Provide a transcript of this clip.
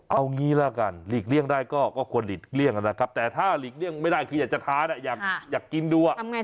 เอางี้ละกันหลีกเลี่ยงได้ก็ควรหลีกเลี่ยงนะครับแต่ถ้าหลีกเลี่ยงไม่ได้คืออยากจะทานอยากกินดู